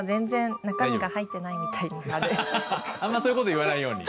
あんまそういう事言わないように。